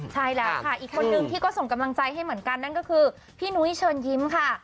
ใช่แล้วค่ะอีกคนนึงที่ก็ส่งกำลังใจให้เหมือนกันนั่นก็คือพี่นุ้ยเชิญยิ้มค่ะ